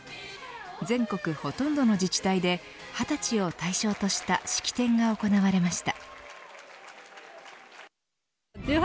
全国ほとんどの自治体で二十歳を対象とした式典が行われました。